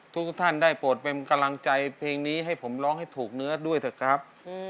ทุกท่านได้โปรดเป็นกำลังใจเพลงนี้ให้ผมร้องให้ถูกเนื้อด้วยเถอะครับ